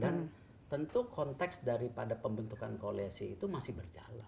dan tentu konteks daripada pembentukan koalisi itu masih berjalan